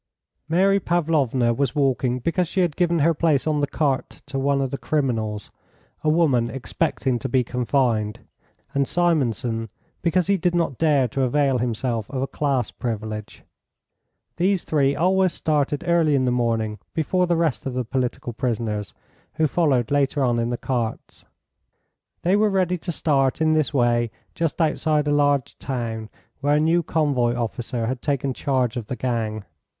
Mary Pavlovna was walking because she had given her place on the cart to one of the criminals, a woman expecting to be confined, and Simonson because he did not dare to avail himself of a class privilege. These three always started early in the morning before the rest of the political prisoners, who followed later on in the carts. They were ready to start in this way just outside a large town, where a new convoy officer had taken charge of the gang.